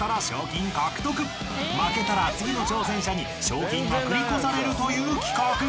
［負けたら次の挑戦者に賞金が繰り越されるという企画］